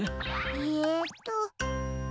えっと。